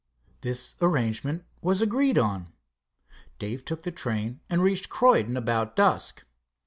This arrangement was agreed on. Dave took the train, and reached Croydon about dusk.